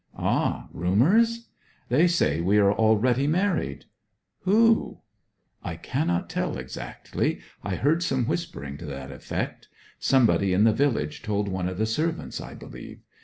'Ah! rumours?' 'They say we are already married.' 'Who?' 'I cannot tell exactly. I heard some whispering to that effect. Somebody in the village told one of the servants, I believe.